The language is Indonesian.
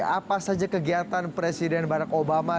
apa saja kegiatan presiden barack obama